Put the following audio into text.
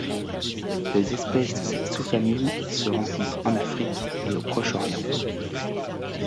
Les espèces de cette sous-famille se rencontrent en Afrique et au Proche-Orient.